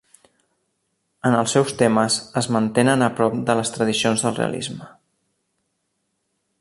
En els seus temes, es mantenen a prop de les tradicions del realisme.